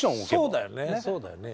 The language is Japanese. そうだよねそうだよね。